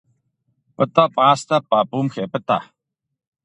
Пӏытӏэ пӏастэ пӏапӏум хепӏытӏэ.